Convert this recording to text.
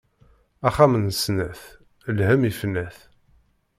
Axxam n snat, lhemm ifna-t.